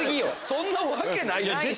そんなわけないでしょ！